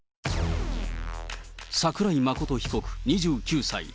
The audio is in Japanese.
桜井真被告２９歳。